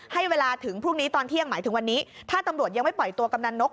ให้เวลาถึงพรุ่งนี้ตอนเที่ยงหมายถึงวันนี้ถ้าตำรวจยังไม่ปล่อยตัวกำนันนก